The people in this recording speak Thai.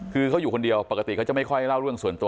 คือเขาอยู่คนเดียวปกติเขาจะไม่ค่อยเล่าเรื่องส่วนตัว